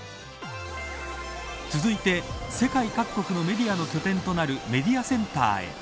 続いて、世界各国のメディアの拠点となるメディアセンターへ。